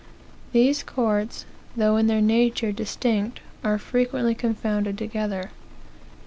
These courts, though in their nature distinct, are frequently confounded together.